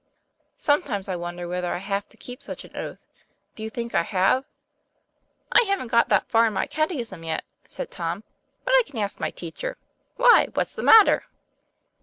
Sometimes I wonder whether I have to keep such an oath. Do you think I have?" "I haven't got that far in my catechism yet," said Tom ;" but I can ask my teacher. Why, what's the matter?"